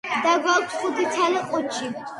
და გვაქვს ხუთი ცალი ყუთი.